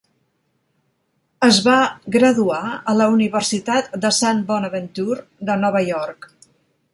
Es va graduar a la Universitat de St. Bonaventure de Nova York.